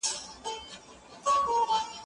زه بايد لوبه وکړم؟